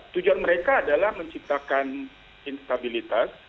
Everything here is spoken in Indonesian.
tujuan mereka adalah menciptakan instabilitas